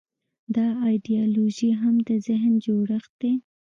دا ایدیالوژي هم د ذهن جوړښت دی.